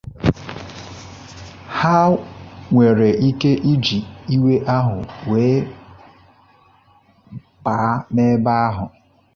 ha nwere ike iji iwe ahụ wee bàá n'ebe ahụ